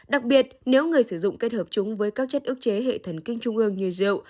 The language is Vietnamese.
đặc biệt nếu người sử dụng kết hợp chúng với các chất ước chế hệ thần kinh trung ương như rượu